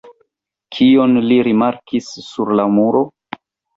Kion li rimarkis sur la muro?